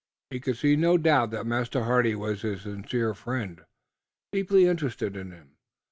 He could not doubt that Master Hardy was his sincere friend, deeply interested in him.